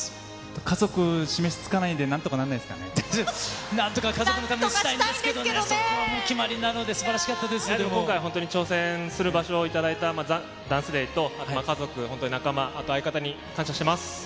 家族に示しつかないんで、なんとか家族のためにしたいんですけど、そこはもう決まりなので、すばらしかったですけれど今回、本当に挑戦する場所を頂いたＤＡＮＣＥＤＡＹと、家族、本当に仲間、あと相方に感謝してます。